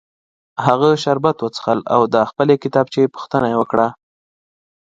هغه شربت وڅښل او د خپلې کتابچې پوښتنه یې وکړه